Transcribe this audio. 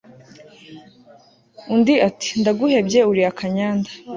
Undi ati Ndaguhebye uri akanyanda